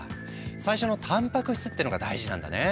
最初のたんぱく質ってのが大事なんだね。